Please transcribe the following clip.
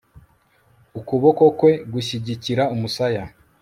Ukuboko kwe gushyigikira umusaya